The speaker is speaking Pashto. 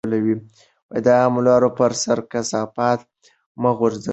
د عامه لارو پر سر کثافات مه غورځوئ.